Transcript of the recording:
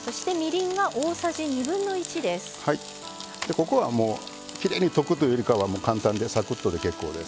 ここはきれいに溶くというよりは簡単で、サクッとで結構です。